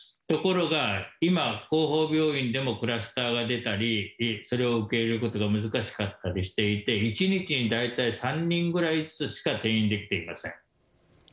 ところが今、後方病院でもクラスターが出たり、それを受け入れることが難しかったりして、１日に大体３人ぐらいずつしか転院できていません。